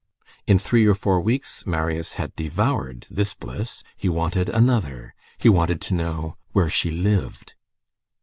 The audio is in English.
In three or four weeks, Marius had devoured this bliss. He wanted another. He wanted to know where she lived.